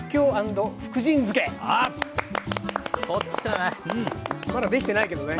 題してまだできてないけどね。